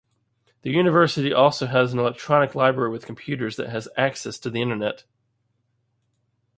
The university also has an electronic library with computers that has access to internet.